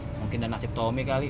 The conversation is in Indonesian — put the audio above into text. mungkin dan nasib tommy kali